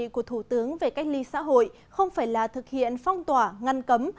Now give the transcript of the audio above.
câu hỏi của thủ tướng về cách ly xã hội không phải là thực hiện phong tỏa ngăn cấm